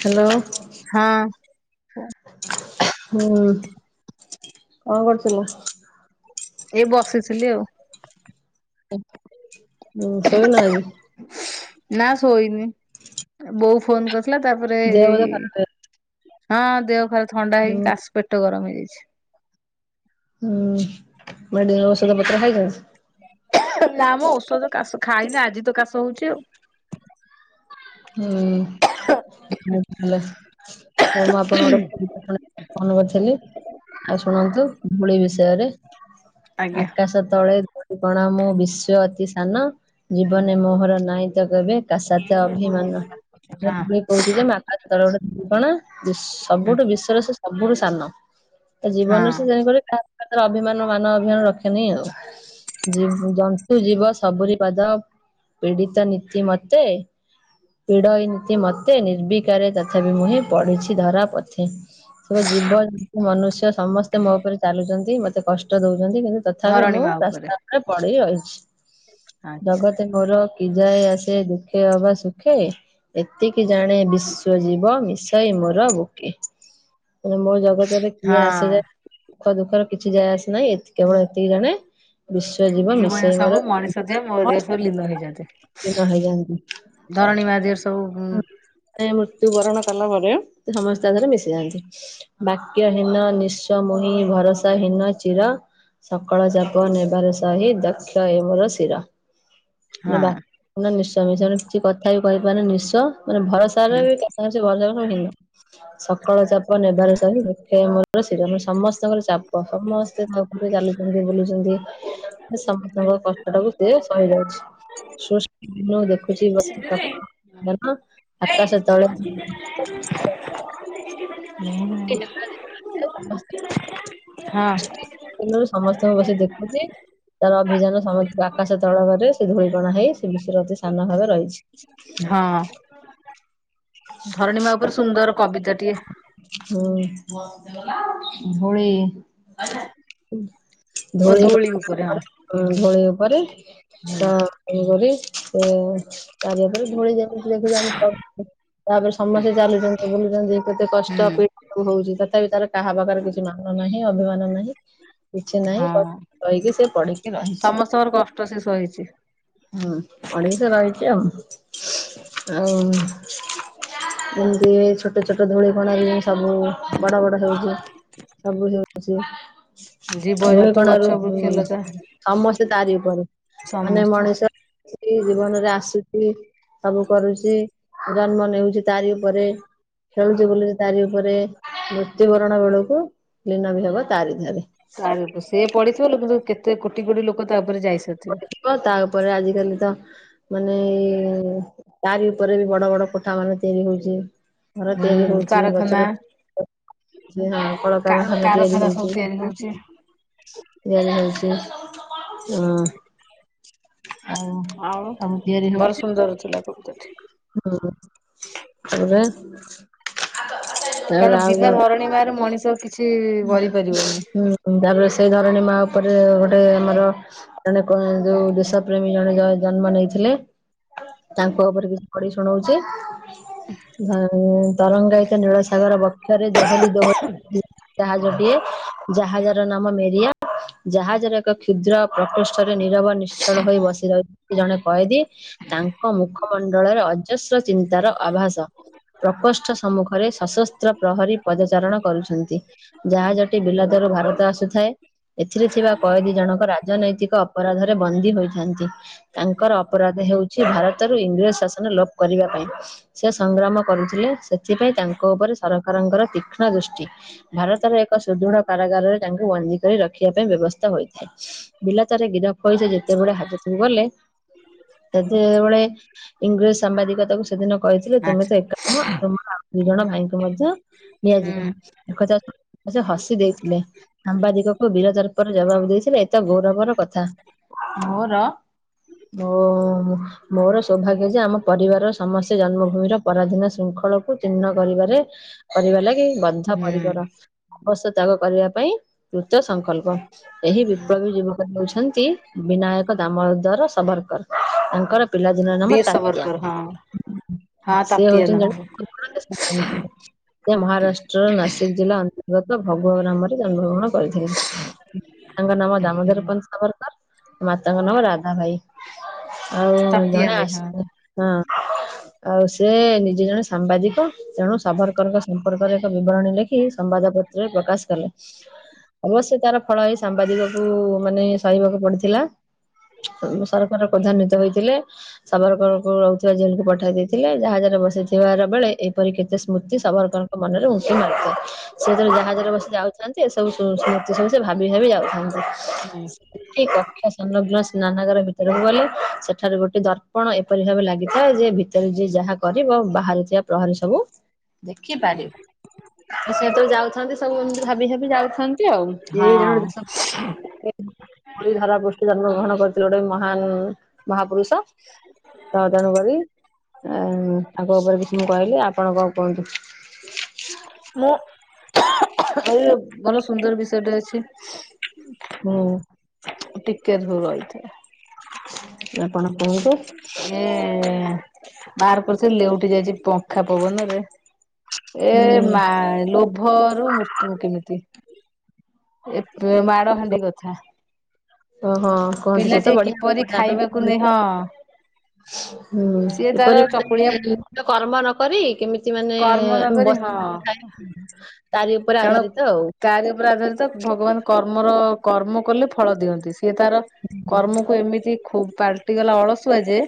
Hello. ହଁ ହୁଁ କଣ କରୁଥିଲ? ଏ ବସିଥିଲି ଆଉ। ହୁଁ ଶୋଇନ ଆଜି? ନା ଶୋଇନି ବୋଉ ଫୋନ କରିଥିଲା ତାପରେ ଦେହ ବୋଧେ ଏଇ ଖରାପ ହେଇ ହଁ ଦେହ ପରା ଥଣ୍ଡା ହୁଁ ହେଇ କାଶ ପେଟ ଗରମ ହେଇଯାଇଛି। ହୁଁ ମେଡିକାଲ ଔଷଧ ପତ୍ର ଖାଇଥିଲ? ନା ମ ଔଷଧ କାଶ ଖାଇନି ଆଜି ତ କାଶ ହଉଛି ଆଉ। ହୁଁ ବହୁତ ଭଲ। ହଉ ମୁଁ ଆପଣଙ୍କ ଗୋଟେ [inaudible] ଫୋନ କରିଥିଲି। ଆଉ ଶୁଣନ୍ତୁ ଧୂଳି ବିଷୟରେ ଆଜ୍ଞା ଆକାଶ ତଳେ ଧୂଳି କଣା ମୁଁ ବିଶ୍ୱେ ଅତି ସାନ ଜୀବନ ମୋହର ନାଇଁ ତ କେବେ କା ସାଥେ ଅ ଅଭିମାନ ହଁ ଧୂଳି କହୁଚି ଯେ ମୁଁ ଆକାଶ ତଳେ ଗୋଟେ ଧୂଳି କଣା ଯେ ହୁଁ ସବୁଠୁ ବିଶ୍ୱରେ ସେ ସବୁଠୁ ସାନ ତା ହଁ ଜୀବନରେ ସେ ଜାଣିପାରେ କା ଅଭିମାନ ମାନ ଅଭିମାନ ରଖେନି ଆଉ। ଜି, ଜନ୍ତୁ ଜୀବ ସବୁରି ବାଦ ପୀଡିତ ନୀତି ମତେ ପୀଡ଼ଇନ୍ତି ମୋତେ ନିର୍ବିକାରେ ତଥାପି ମୁହିଁ ପଢିଛି ଧରା ପଥେ। ସେ ବା ଜୀବ ଜୁ ମନୁଷ୍ୟ ସମସ୍ତେ ମୋ ଉପରେ ଚାଲୁଛନ୍ତି। ମତେ କଷ୍ଟ ଦଉଛନ୍ତି। କିନ୍ତୁ ତଥାପି ଧରଣୀ ମୁଁ ମା ଉପରେ ରାସ୍ତା ଏ ପଡି ରହିଛି। ଆଚ୍ଛା ଜଗତ ମୋର କି ଯାଏ ଆସେ ଦୁଃଖେ ଅବାସ ସୁଖେ, ଏତିକି ଜାଣେ ବିଶ୍ଵ ଜୀବ ମିଶଇ ମୋର ବୁକେ। ମାନେ ମୋ ଜଗତରେ କିଏ ହଁ ଆସେଯାଏ ସୁଖ ଦୁଃଖରେ କିଛି ଯାଏ ଆସେ ନାହିଁ କେବଳ ଏତିକି ଜାଣେ ବିଶ୍ଵ ଜୀବ ଜୀବନ ମିଶେଇ ସବୁ ମୋର, ମଣିଷ ଦେହ ମୋ ଦେହ ସବୁ ଲୀନ ହେଇଛନ୍ତି ଦିନ ହେଇଯାନ୍ତି ଧରଣୀ ମା ଦିଏ ସବୁ ଉଁ। ସେ ମୃତ୍ୟୁ ବରଣ କଲା ପରେ ସେ ସମସ୍ତେ ତା ଧୀଏରେ ମିଶି ଯାଆନ୍ତି। ବାକ୍ୟ ହୀନ ନିସ୍ୱ ମୁହିଁ ଭରସା ହୀନ ଚିର ସକଳ ଚାପ ନେବାର ସହି ଦକ୍ଷ ଏ ମୋର ଶିର। [unintelligible] ହଁ [unintelligible] ସକାଳ ଚାପ ନେବାର ସହି, ବୃକ୍ଷ ମୂଳ ସୀରମ, ସମସ୍ତଙ୍କ ର ଚାପ ସମସ୍ତେ ତା ଉପରେ ଚାଲୁଛନ୍ତି ବୁଲୁଛନ୍ତି ସମସ୍ତଙ୍କ କଷ୍ଟ ସେଟାକୁ ସେ ସହିଯାଉଛି। [unintelligible] ଦେଖୁଚି ବସି [inaudible] ଆକାଶ ତଳେ ହଁ। ରୁ ସମସ୍ତଙ୍କୁ ବସି ଦେଖୁଚି ତାର ଅଭିଯାନ ସମସ୍ତ ଆକାଶ ତଳକରେ ସେ ଧୂଳିକଣା ହେଇ ସେ ବିଶ୍ୱରେ ଅତି ସାନ ଭାବେ ରହିଚି। ହଁ। ଧରଣୀ ମା ଉପରେ ସୁନ୍ଦର କବିତା ଟିଏ। ହୁଁ, ଧଉଳି ଓ ଧୋଉଳି ଗ ଧୂଳି ଉପରେ ହଁ ଧୋଉଳି ଉପରେ ହୁଁ ତ ତେଣୁ କରି ତାରି ଉପରେ ଧୂଳି ଯେମିତି ଦେଖୁଛୁ ଆମେ ତାପରେ ସମସ୍ତେ ଚାଲୁଛନ୍ତି ବୁଲୁଛନ୍ତି କେତେ କଷ୍ଟ ହୁଁ ପୀଡା ହଉଛି ତଥାପି ତାର କାହା ପାଖରେ କିଛି ମାନ ନାହିଁ ଅଭିମାନ ନାହିଁ କିଛି ନାହିଁ କ ହଁ କହିକି ସେ ପଡିକି ରହିଚି। ସମସ୍ତଙ୍କର କଷ୍ଟ ସେ ସହିଛି। ହୁଁ ପଡିକି ତ ରହିଚି ଆଉ। ଆଉ ଯେମିତି ଏଇ ଛୋଟ ଛୋ ଛୋଟ ଧୂଳିିକଣାରୁ ସବୁ ବଡ ବଡ ହଉଚି ସବୁ ହଉଚି। ଜୀବଜନ୍ତୁ ଗଛ ଧୂଳିିକଣାରୁ ହୁଁ ବୃକ୍ଷଲତା ସମସ୍ତେ ତାରି ଉପରେ, ମାନେ ସମସ୍ତେ। ମଣିଷ ସେଇ ଜୀବନରେ ଆସୁଚି ସବୁ କରୁଚି, ଜନ୍ମ ନେଉଚି ତାରି ଉପରେ। ଖେଳୁଛି ବୁଲୁଚି ତାରି ଉପରେ ମୃତ୍ୟୁବରଣ ବେଳକୁ ଲିନ ବି ହବ ତାରି ଧୀଅରେ। କାରି, ସିଏ ପଡିିଥିବ ଲୋ କିନ୍ତୁ କେତେ କୋଟି କୋଟି ଲୋକ ତାକଉପରେ ଯାଇସାରିଥିବେ। କ ତା ଉପରେ ଆଜିକାଲି ତ ମାନେ ଏ ତାରି ଉପରେ ବି ବଡ ବଡ କୋଠା ମାନେ ତିଆରି ହଉଚି। ଘର ହୁଁ ତିଆରି ହଉଚି କାରଖାନା ଗଛର ଯେ ହଁ କଳକାରଖାନା ତିଆରି କାରଖାନା ସବୁ ତିଆରି ହଉଛି ହଉଚି। ତିଆରି ହଉଚି। ହଁ। ଆଉ ଆଉ ସବୁ ତିଆରି ଭଲ ହଉଛି ସୁନ୍ଦର ଥିଲା କବିତା ଟି। ହୁଁ ହୁଁ। ତା ପରେ କାରଣ ବିନା ଧରଣୀ ମାର ମଣିଷ କି ଉ ହୁଁ ତାପରେ ସେଇ ଧରଣୀ ମା ଉପରେ ଗୋଟେ ଆମର ଏନା କଣ ଯୋଉ ଦେଶ ପ୍ରେମୀ ଜଣେ ଜ ଜନ୍ମ ନେଇଥିଲେ। ତାଙ୍କ ଉପରେ କିଛି ପଡ଼ି ଶୁଣଉଚି। ଧ ତରଙ୍ଗାଇ ତ ନୀଳସାଗର ବକ୍ଷରେ ଦୋହଲି ଦୋହ ଜାହାଜ ଟିଏ। ଜାହାଜ ର ନାମ ମେରିଆ। ଜାହାଜର ଏକ କ୍ଷୁଦ୍ର ପ୍ରକୃଷ୍ଠରେ ନିରବ ନିଶ୍ଚଳ ହୋଇ ବସି ରହି ଜଣେ କଏଦି। ତାଙ୍କ ମୁଖମଣ୍ଡଳରେ ଅଜସ୍ର ଚିନ୍ତାର ଆଭାସ। ପ୍ରକୋଷ୍ଠ ସମ୍ମୁଖରେ ସଶସ୍ତ୍ର ପ୍ରହରୀ ପଦାଚାରଣ କରୁଛନ୍ତି। ଯାହାଜଟି ବିଲତରୁ ଭାରତ ଆସୁଥାଏ। ଏଥିରେ ଥିବା କଏଦୀ ଜଣଙ୍କ ରାଜନୈତିକ ଅପରାଧରେ ବନ୍ଦୀ ହୋଇଥାନ୍ତି। ତାଙ୍କର ଅପରାଧ ହେଉଛି ଭାରତରୁ ଇଂରେଜ ଶାସନ ଲୋପ କରିବା ପାଇଁ ସେ ସଂଗ୍ରାମ କରୁଥିଲେ ସେଥିପାଇଁ ତାଙ୍କ ଉପରେ ସରକାରଙ୍କର ତୀକ୍ଷ୍ଣ ଦୃଷ୍ଟି। ଭାରତର ଏକ ସୁଦୃଢ କାରାଗାରରେ ତାଙ୍କୁ ବନ୍ଦୀ କରି ରଖିବା ପାଇଁ ବ୍ୟବସ୍ଥା ହୋଇଥାଏ। ବିଲାତରେ ଗିରଫ ହୋଇ ସେ ଯେତେବେଳେ ହାଜତକୁ ଗଲେ। ସେତେ ବେଳେ ଇଂରେଜ ସାମ୍ବାଦିକ ତାକୁ ସେଦିନ କହିଥିଲେ ତୁମେ ତ ଆଚ୍ଛା ଏକା ନୁହଁ ତମର ଆଉ ଦି ଜଣ ଭାଇଙ୍କୁ ମଧ୍ୟ ନିଆଯିବ। ହୁଁ ଏକଥା ସେ ହସି ଦେଇଥିଲେ। ସାମ୍ବାଦିକ କୁ ବୀର ତର୍ପରେ ଜବାବ ଦେଇଥିଲେ ଏତ ଗୌରବର କଥା ମୋର ମୋ ହ ମୋର ସୌଭାଗ୍ୟ ଯେ ଆମ ପରିବାର ସମସ୍ତେ ଜନ୍ମଭୂମିର ପରାଧୀନ ଶୃଙ୍ଖଳକୁ ଚିହ୍ନ କରିବାରେ କରିବା ଲାଗି ବନ୍ଦ ହୁଁ ପରିକର ବଶ ତ୍ୟାଗ କରିବା ପାଇଁ ଦୃତ ସଂକଳ୍ପ ଏହି ବିପ୍ଳବୀ ଯୁବ କ ହଉଛନ୍ତି ବିନାୟକ ଦାମୋଦର ସବରକର ତାଙ୍କର ପିଲାଦିନର ନାମ ବୀର ତାତ୍ୟା। ସବରକର ହଁ ହଁ ସେ ତାତିଆ ହଉଛନ୍ତି ନାମ ଜଣେ [unintelligible] ସେ ମହାରାଷ୍ଟ୍ରର ନାସି [unintelligible] ଜିଲ୍ଲା ଅନ୍ତର୍ଗତ ଭଗବ ଗ୍ରାମରେ ଜନ୍ମଗ୍ରହଣ କରିଥିଲେ। ତାଙ୍କ ନାମ ଦାମୋଦର ପନ୍ତ ସାବରକର ମାତାଙ୍କ ନାମ ରାଧା ବାଇ। ଆଉ ତାତିଆ ଜଣେ ଭାଇ ହଁ ଆସିବେ ହଁ। ଆଉ ସେ ନିଜେ ଜଣେ ସାମ୍ବାଦିକ, ତେଣୁ ସବରକରଙ୍କ ସମ୍ପର୍କରେ ଏକ ବିବରଣୀ ଲେଖି ସମ୍ବାଦପତ୍ରରେ ପ୍ରକାଶ କଲେ। ଅବଶ୍ୟ ତାର ଫଳ ଏଇ ସାମ୍ବାଦିକକୁ ମାନେ ସହିବାକୁ ପଡିଥିଲା। ସରକାର ପ୍ରାଧାନ୍ବିତ ହୋଇଥିଲେ। ସାବରକରକୁ ରହୁଥିବା ଜେଲକୁ ପଠାଇ ଦେଇଥିଲେ, ଜାହାଜରେ ବସିଥିବାର ବେଳେ ଏ ପରି କେତେ ସ୍ମୃତି ସବରକରଙ୍କ ମନରେ ଉଙ୍କି ମାରିଥିଲା। ଯେତେବେଳେ ଜାହାଜରେ ବସି ଯାଉଥାନ୍ତି ଏ ସବୁ ସୁ ସ୍ମୃତି ସବୁ ସେ ଭାବି ଭାବି ଯାଉଥାନ୍ତି। ହଁ। ଉଠି କକ୍ଷା ସଂଲଗ୍ନ ସ୍ନାନାଗର ଭିତରକୁ ଗଲେ ସେଠାରେ ଗୋଟେ ଦର୍ପଣ ଏପରି ଭାବେ ଲାଗି ଯେ ଭିତରେ ଯିଏ ଯାହା କରିବ ବାହାରୁ ଥିବା ପ୍ରହରି ସବୁ ଦେଖିପାରିବ। ସେ ଯେତେବେଳେ ଯାଉଥାନ୍ତି ସବୁ ଏମିତି ଭାବି ଭାବି ଯାଉଥାନ୍ତି ଆଉ, ଏଇ ଜଣ ହଁ [unintelligible] ଧରା ପୃଷ୍ଟି ଜନ୍ମ ଗ୍ରହଣ କରିଥିଲେ ଗୋଟେ ମହାନ ମହାପୁରୁଷ ତ ତେଣୁ କରି ଉ ତାଙ୍କ ଉପରେ କିଛି ମୁଁ କହିଲି ଆପଣ କଣ କୁହନ୍ତୁ? ମୁଁ ଏ ଭଲ ସୁନ୍ଦର ବିଷୟଟେ ଅଛି। ହୁଁ ଟିକେ ଝୁଅ ରହିଥା। ଆପଣ କୁହନ୍ତୁ। ଏ ବାହାର କରୁଥିଲି ଲେଉଟି ଯାଇଛି ପଙ୍ଖା ପବନରେ ଏ ହୁଁ ମା ଲୋଭରୁ ମୃତ୍ୟୁ କେମିତି। ଏତେ ମାଡ଼ହାଣ୍ଡି କଥା। ସେ ହଁ କହନ୍ତି ସେ ତ ପିଲାଟିଏ ବଢିଆ କିପରି ଖାଇବାକୁ ନେଇ [unintelligible] ହଁ ହୁଁ ସିଏ ତାର ଏପରି ଚକୁଳିଆ ମାନେ କର୍ମ ନ କରି କେମିତି ମାନେ କର୍ମ ନ କରି ହଁ ବସି ବସି ଖାଇବା [unintelligible] ତାରି ଉପରେ କାରଣ ଆଧାରିତ ଆଉ। ତାରି ଉପରେ ଆଧାରିତ ଭଗବାନ କର୍ମର କର୍ମ କଲେ ଫଳ ଦିଅନ୍ତି ସିଏ ତାର କର୍ମକୁ ଏମିତି ଖୁବ୍ ପାଲଟିଗଲା ଅଳସୁଆ ଯେ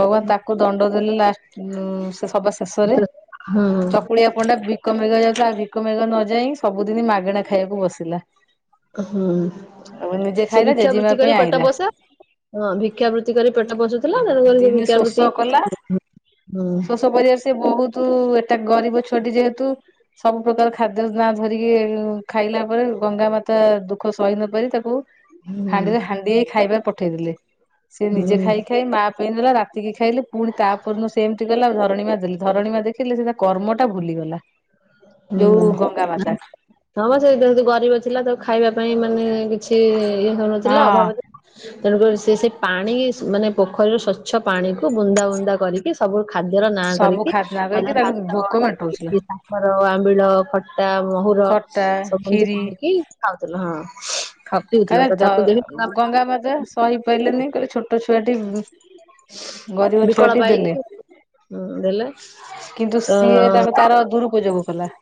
ଭଗବାନ ତାକୁ ଦଣ୍ଡ ଦେଲେ ଲାଷ୍ଟ ଉ ସେ ସବା ଶେଷରେ ହୁଁ କୁଳିଆ ପଣ୍ଡା ଭିକ ମାଗିବାକୁ ଯାଉଥିଲା ଆଉ ଭିକ ମାଗିବାକୁ ନ ଯାଇ ସବୁଦିନ ମାଗେଣା ଖାଇବାକୁ ବସିଲା। ହୁଁ ଆଉ ନିଜେ ସେ ଖାଇଲା ଜେଜେମା ଭିକ୍ଷାବୃତ୍ତି ପାଇଁ କରି ପେଟ ଆଇଲା ପୋଷେ ହଁ ଭିକ୍ଷାବୃତ୍ତି କରି ପେଟ ପୋଷୁଥିଲା ତେଣୁକରି ସେ ଦିନେ ଶୋଷ ଭିକ୍ଷାବୃତ୍ତି କଲା ଶୋଷ ପରିବେଶ ବହୁତୁ, ଏଟା ଗରିବ ଛୁଆଟି ଯେହେତୁ, ସବୁ ସବୁ ପ୍ରକାର ଖାଦ୍ୟର ନାଁ ଧରିକି ଖାଇଲା ପରେ ଗଙ୍ଗା ମାତା ଦୁଃଖ ସହି ନ ପାରି ତାକୁ ହୁଁ ହାଣ୍ଡିରେ ହାଣ୍ଡିଏ ଖାଇବା ପଠେଇଦେଲେ, ସେ ନିଜେ ହୁଁ। ଖାଇ ଖାଇ ମା ପାଇଁ ନେଲା ରାତି ସେତିକି ଖାଇଲେ ପୁଣି ତାପରଦିନ ସେମିତି ଗଲା ଧରଣୀମା ଦେଲେ, ଧରଣୀମା ଦେଖିଲେ ସେ ତା କର୍ମଟା ଭୁଲିଗଲା। ଯୋଉ ହୁଁ। ଗଙ୍ଗା ମାତା ହଁ ମ ସେ ଯେହେତୁ ଗରିବ ଥିଲା ତାକୁ ଖାଇବା ପାଇଁ ମାନେ କିଛି ଇଏ ହଉନଥିଲା ହଁ ଅଭାବ ଥିଲା। ତେଣୁକରି ସେ ସେ ପାଣି ମାନେ ପୋଖରୀର ସ୍ଵଚ୍ଛ ପାଣିକୁ ବୁନ୍ଦା ବୁନ୍ଦା କରିକି ସବୁ ଖାଦ୍ୟର ନାଁ ସବୁ କରିକି ଖାଦନା କହିଲା କରିକି ତାକୁ ଭାତ, ଭୋକ ଡାଲି ମେଣ୍ଟଉଥିଲା ଖର ଆମ୍ବିଳ, ଖଟା, ମହୁର ଖଟା ସବୁ ଖିରି ଯେମିକି ଖାଉଥିଲା ହଁ। ଖା ପିଉଥିଲା ତ ଦ ତାକୁ ଦେଖି ଗଙ୍ଗା ମାତା ସହି ପାରିଲେନି, କହିଲେ ଛୋଟ ଛୋଟ ଛୁଆଟି, ଗରିବ ଛୁଆଟି ଦେଲେ। ହୁଁ ଦେଲେ। କିନ୍ତୁ ତ ସିଏ ତାକୁ ତାର ଦୂରୁପଯୋଗ କଲା।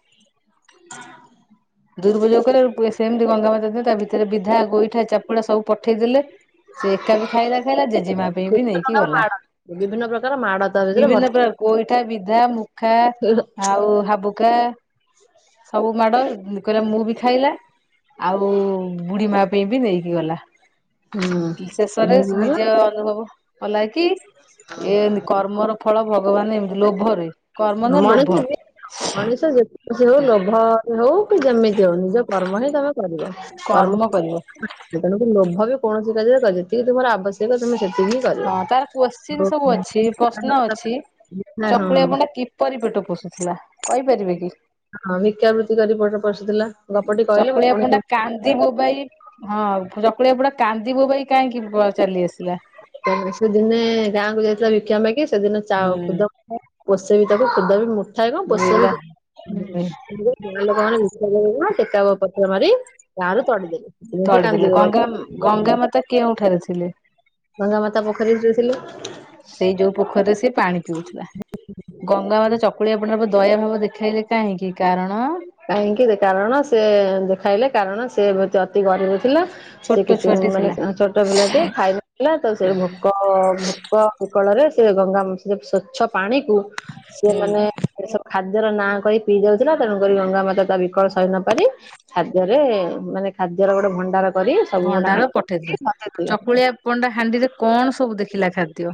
ଦୁରୁପଯୋଗ କଲେ, [unintelligible] ସେମିତି ଗଙ୍ଗା ମାତା ଦିନେ ତା ଭିତରେ ବିଧା, ଗୋଇଠା, ଚାପୁଡା ସବୁ ପଠେଇଦେଲେ। ସେ ଏକା ବି ଖାଇଲା ଖାଇଲା, ଜେଜେମା ପାଇଁ ବି ବିଭିନ୍ନ ନେଇକି ପ୍ରକାର ଗଲା, ମାଡ଼ ବିଭିନ୍ନ ପ୍ରକାର ମାଡ଼ ତା ଭିତରେ ବିଭିନ୍ନ ଭର୍ତ୍ତି ପ୍ର ଗୋଇଠା, ବିଧା, ମୁଖା ଆଉ ହାବୁକା ସବୁ ମାଡ଼ କହିଲା ମୁଁ ବି ଖାଇଲା ଆଉ ବୁଢୀ ମା ସିଏ ବି ନେଇକି ଗଲା, କି ଶେଷରେ ହୁଁ ନିଜେ ଅନୁଭବ କଲା କି ଏମତି କର୍ମର ଫଳ ଭଗବାନ ଏମିତି ଲୋଭରେ କର୍ମ ନୁହଁ ଲୋଭ। ସେ ଯୋଉ ଲୋଭରେ ହଉ, କି ଯେମିତି ହଉ, ନିଜ କର୍ମ ହିଁ ତମେ କରିବ କର୍ମ ତେଣୁ ଲୋଭରେ କୌଣସି କାର୍ଯ୍ୟ କରିବନି, ଯେତିକି ତୁମର ଆବଶ୍ୟକ ତୁମେ ସେତିକି କରିବ। ହଁ ତାର କୋଶ୍ଚିନ ହଁ ସବୁ ଅଛି, ପ୍ରଶ୍ନ ଅଛି, ଚକୁଳିଆ ପଣ୍ଡା କି କିପରି ପେଟ ପୋଷୁଥିଲା, କହିପାରିବେ କି? ହଁ ଭିକ୍ଷାବୃତ୍ତି କରି ପେଟ ପୋଷୁଥିଲା। ଗପଟି କହିଲେ ମୁଁ ଚକୁଳିଆ ପଣ୍ଡା ଶୁଣିିଲି। କାନ୍ଦି ବୋବାଇ ହଁ ଚକୁଳିଆ ପଣ୍ଡା କାନ୍ଦି ବୋବାଇ କାହିଁକି ଚାଲି ଆସିଲା? ସେଦିନେ ଗାଁକୁ ଯାଇଥିଲା ଭିକ୍ଷା ମାଗି, ସେଦିନ ଚା ହୁଁ ଖୁଦ ପୋଷେ ବି ତାକୁ ଖୁଦ ବି ମୁଠାଏ କଣ ପୋଷେ ମିଳିଲା ବି ଲୋକ ମାନେ ଭିକ୍ଷା ଦେବେ କଣ, ଟେକା ଓ ପଥର ମାରି ଗାଁରୁ ଦଡି ତଳିଦେଲେ ଗଙ୍ଗା ଦେଲେ। ଗଙ୍ଗା ମାତା କେଉଁଠାରେ ଥିଲେ? ଗଙ୍ଗା ମାତା ପୋଖରୀରେ ଶୋଇଥିଲେ। ସେଇ ଯୋଉ ପୋଖରୀରେ ସିଏ ପାଣି ପିଉଥିଲା, ଗଙ୍ଗା ମାତା ଚକୁଳିଆ ପଣ୍ଡା ପ୍ରତି ଦୟାଭାବ ଦେଖାଇଲେ କାହିଁକି? କାରଣ କାହିଁକି କାରଣ ସେ ଦେଖାଇଲେ କାରଣ ସେ ସିଏ ଅତି ଗରିବ ଥିଲା, ସେ ଛୋଟ କିଛି ଛୁଆଟି ମାନେ ଥିଲା। ଛୋଟ ପିଲାଟି ଖାଇନଥିଲା, ତ ସେ ଭୋକ ଭୋକ ବିକଳରେ ସେ ଗଙ୍ଗା ସ୍ଵଚ୍ଛ ପାଣିକୁ, ସେ ମାନେ ଏ ସବୁ ଖାଦ୍ୟର ନାଁ କହି ପିଇ ଯାଉଥିଲା, ତେଣୁ ଗଙ୍ଗା ମାତା ତା ବିକଳ ସହି ନ ପାରି, ଖାଦ୍ୟରେ ମାନେ ଖାଦ୍ୟର ଗୋଟେ ଭଣ୍ଡାର କରି ସବୁ ଗୋଟେ ଭଣ୍ଡାର ପଠେଇଥିଲେ ହାଣ୍ଡିରେ ପଠେଇଥିଲେ। ଚକୁଳିଆ ପଣ୍ଡା ହାଣ୍ଡିରେ କଣ ସବୁ ଦେଖିଲା ଖାଦ୍ୟ?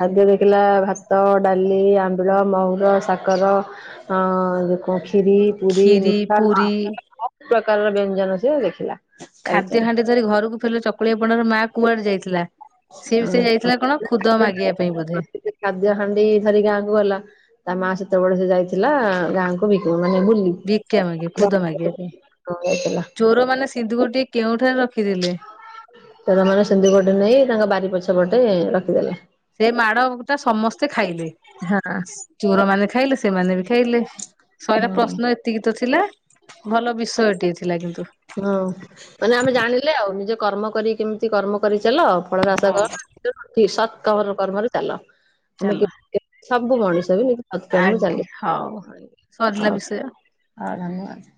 ଖାଦ୍ୟ ଦେଖିଲା ଭାତ, ଡାଲି, ଆମ୍ବିଳ, ମହୁର, ସାକର ହଁ କଣ ଖିରୀ? ପୁରୀ ଖିରି ମିଠା ପୁରୀ ସବୁ ପ୍ରକାର ବ୍ୟଞ୍ଜନ ସେ ଦେଖିଲା। ତା ଖାଦ୍ୟ ଭିତରେ ହାଣ୍ଡି ଧରି ଘରକୁ ଫେରିଲା ଚକୁଳିଆ ପଣ୍ଡା ର ମା କୁଆଡେ ଯାଇଥିଲା? ସିଏ ବି ସେ ଯାଇଥିଲା କଣ ଖୁଦ ମାଗିବା ପାଇଁ ବୋଧେ? ଖାଦ୍ୟ ହାଣ୍ଡି ଧରି ଗାଁକୁ ଗଲା। ତା ମା ସେତେବେଳେ ଯାଇଥିଲା, ଗାଁ ଙ୍କୁ ମାନେ ବୁଲିି। ଭିକ୍ଷା ମାଗି ଖୁଦ ମାଗିବା ପାଇଁ ଚୋର ମାନେ ସିନ୍ଦୁକ ଟିଏ କେଉଁ ଠାରେ ରଖିଥିଲେ? ଚୋରମାନେ ସିନ୍ଦୁକ ଟେ ନେଇ ତାଙ୍କ ବାରି ପଛ ପଟେ ରଖିଦେଲେ। ସେ ମାଡ ଟା ସମସ୍ତେ ଖାଇଲେ। ଚୋର ମାନେ ଖାଇଲେ ସେମାନେ ବି ଖାଇଲେ ଶହେଟା ହୁଁ। ପ୍ରଶ୍ନ ଏ ଏତିକ ତ ଥିଲା ଭଲ ବିଷୟଟିଏ ଥିଲା କିନ୍ତୁ। ହଁ ମାନେ ଆମେ ଜାଣିଲେ ଆଉ ନିଜେ କର୍ମ କରି କେମିତି କର୍ମ କରି ଚାଲ ଫଳରେ ଆଶା ହଁ କରନା। ତେଣୁ ଠି ସତ୍ [unintelligible] କର୍ମରେ ଚାଲ ଆମେ [unintelligible] ସବୁ ମଣିଷ ବି ନି ଆଜ୍ଞା ହଉ ସରିଲା ବିଷୟ। ହଉ ଧନ୍ୟବାଦ।